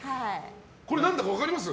何だか分かります？